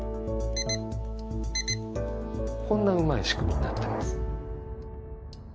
こんなうまい仕組みになってます。